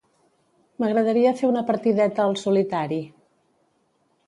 M'agradaria fer una partideta al "Solitari".